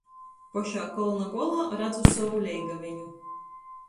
Pošā kolna golā radzu sovu leigaveņu